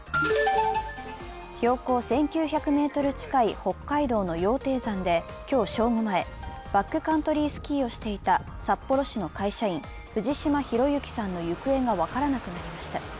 標高１９００ｍ近い北海道の羊蹄山で今日正午前、バックカントリースキーをしていた札幌市の会社員、藤島裕之さんの行方が分からなくなりました。